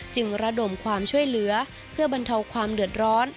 ระดมความช่วยเหลือเพื่อบรรเทาความเดือดร้อน